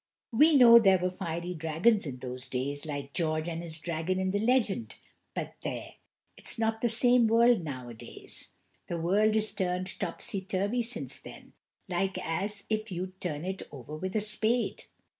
(We know there were fiery dragons in those days, like George and his dragon in the legend; but, there! it's not the same world nowadays. The world is turned topsy turvy since then, like as if you'd turn it over with a spade!)